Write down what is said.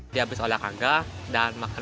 di abis olah kagah dan makan bubur